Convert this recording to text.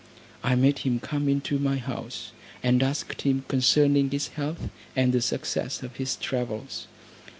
I made him come into my house, and asked him concerning his health and the success of his travels.